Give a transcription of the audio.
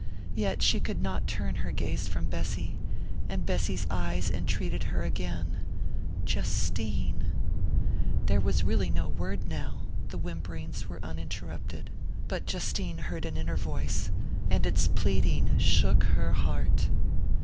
Yet she could not turn her gaze from Bessy, and Bessy's eyes entreated her again Justine! There was really no word now the whimperings were uninterrupted. But Justine heard an inner voice, and its pleading shook her heart.